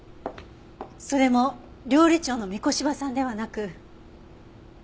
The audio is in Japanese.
それも料理長の御子柴さんではなく。